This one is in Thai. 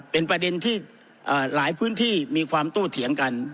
เป็นประเด็นที่หลายพื้นที่มีความโตเถียงกัน